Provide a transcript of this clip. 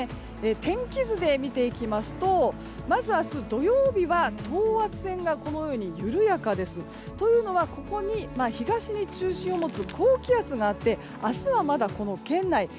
天気図で見ていきますとまず明日、土曜日は等圧線が緩やかです。というのは東に中心を持つ高気圧があって明日はまだ圏外。